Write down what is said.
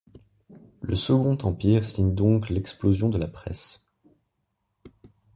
Le Second Empire signe donc l'explosion de la presse.